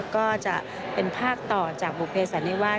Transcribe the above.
ก็จะเป็นภาคต่อจากบุภัยศาสนิว่า